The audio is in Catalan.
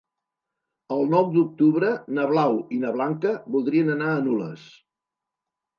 El nou d'octubre na Blau i na Blanca voldrien anar a Nules.